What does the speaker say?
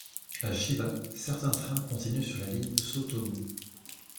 À Chiba, certains trains continuent sur la ligne Sotobō.